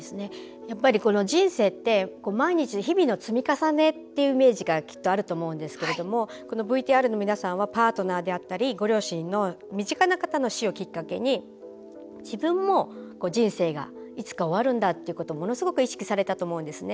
やっぱり人生って毎日、日々の積み重ねっていうイメージがあると思うんですがＶＴＲの皆さんはパートナーであったりご両親の身近な方の死をきっかけに自分も人生がいつか終わるんだということを、ものすごく意識されたと思うんですね。